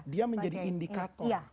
dia menjadi indikator